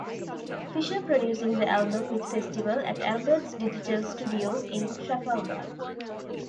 Fisher producing the album with Festival, at Alberts Digital Studios in Trafalgar.